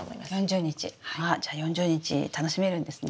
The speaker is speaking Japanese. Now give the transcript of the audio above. じゃあ４０日楽しめるんですね。